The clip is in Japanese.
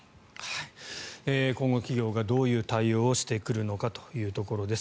今後、企業がどういう対応をしてくるかというところです。